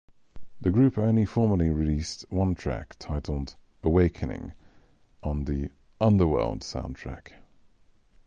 The group only formally released one track, titled "Awakening", on the "Underworld" soundtrack.